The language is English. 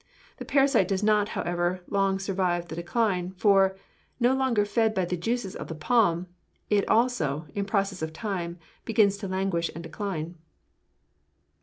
The parasite does not, however, long survive the decline; for, no longer fed by the juices of the palm, it also, in process of time, begins to languish and decline.'"